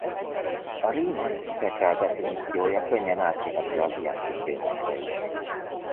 A Riemann-integrál definíciója könnyen átvihető az ilyen függvényekre is.